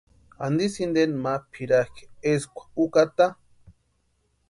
¿Antisï inteni ma pʼirakʼi eskwa ʼukataa?